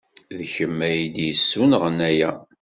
D kemm ay d-yessunɣen aya?